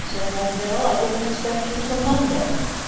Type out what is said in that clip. said Wendell; "I didn't expect you till Monday."